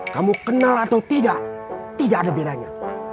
kamu kenal atau tidak tidak ada bedanya